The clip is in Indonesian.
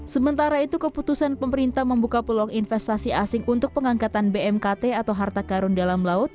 sementara itu keputusan pemerintah membuka peluang investasi asing untuk pengangkatan bmkt atau harta karun dalam laut